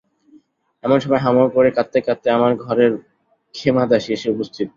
এমন সময়ে হাউ-মাউ করে কাঁদতে কাঁদতে আমার ঘরের ক্ষেমাদাসী এসে উপস্থিত।